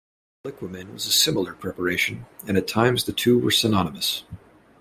Liquamen was a similar preparation, and at times the two were synonymous.